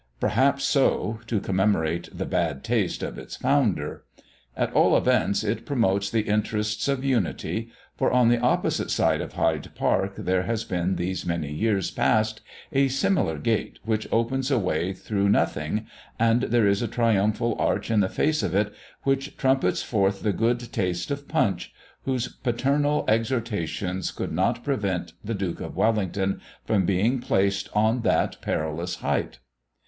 Perhaps so, to commemorate the bad taste of its founder. At all events, it promotes the interests of unity, for on the opposite side of Hyde Park there has been these many years past a similar gate, which opens a way through nothing, and there is a triumphal arch in the face of it, which trumpets forth the good taste of Punch, whose paternal exhortations could not prevent the Duke of Wellington from being placed on that perilous height.